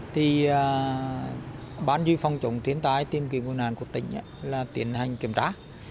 thì ban duy phòng chủng tiến tài tiêm kiểm quân hàn của tỉnh là tiến hành kiểm tra